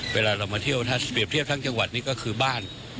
เวลาเรามาเที่ยวถ้าเปรียบเทียบทั้งจังหวัดนี่ก็คือบ้าน